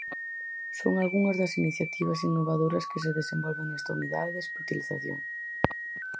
Son algunhas das iniciativas innovadoras que se desenvolven nesta unidade de hospitalización.